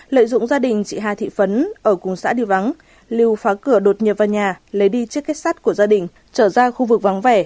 lợi dụng gia đình chị hà thị phấn ở cùng xã đi vắng lưu phá cửa đột nhập vào nhà lấy đi chiếc kết sắt của gia đình trở ra khu vực vắng vẻ